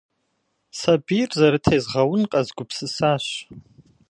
Сабийр зэрытезгъэун къэзгупсысащ.